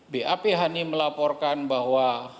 bap hani melaporkan bahwa